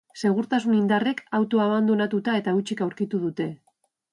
Segurtasun indarrek autoa abandonatuta eta hutsik aurkitu dute.